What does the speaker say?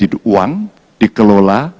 menjadi uang dikelola